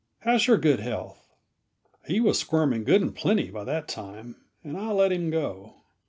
How's your good health?" He was squirming good and plenty, by that time, and I let him go.